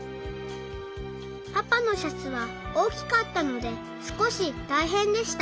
パパのシャツはおおきかったのですこしたいへんでした。